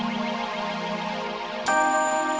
jogja imas datang